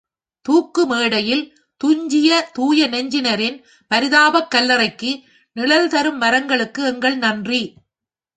தூக்குமேடையில் துஞ்சிய தூயநெஞ்சினரின் பரிதாபக் கல்லறைக்கு நிழல் தரும் மரங்களுக்கு எங்கள் நன்றி.